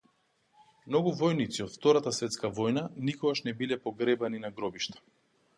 Многу војници од Втората светска војна никогаш не биле погребани на гробишта.